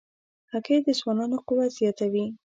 هګۍ د ځوانانو قوت زیاتوي.